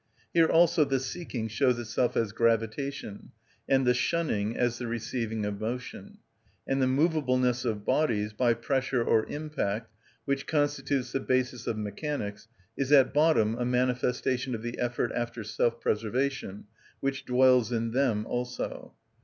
Here also the seeking shows itself as gravitation, and the shunning as the receiving of motion; and the movableness of bodies by pressure or impact, which constitutes the basis of mechanics, is at bottom a manifestation of the effort after self‐preservation, which dwells in them also.